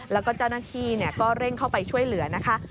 แล้วก็เจ้านักที่เร่งเข้าไปช่วยเหลือด้วย